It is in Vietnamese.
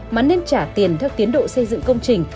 mà nên trả tiền theo tiến độ xây dựng công trình